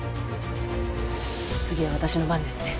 次は私の番ですね。